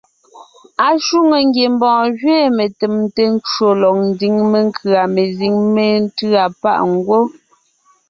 Ashwòŋo ngiembɔɔn gẅiin metèmte ncwò lɔg ńdiŋ menkʉ̀a mezíŋ métʉ̂a páʼ ngwɔ́.